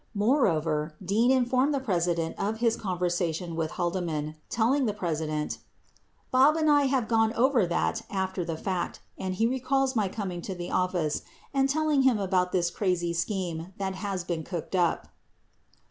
78 Moreover, Dean informed the President of his conversation with Haldeman, telling the President, "Bob and I have gone over that after the fact and he recalls my coming to the office and telling him about this crazy scheme that was being cooked up."